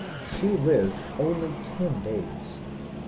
Sbe lived only ten days.